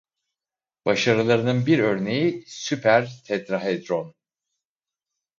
Başarılarının bir örneği süper tetrahedron.